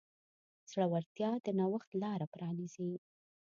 زړورتیا د نوښت لاره پرانیزي.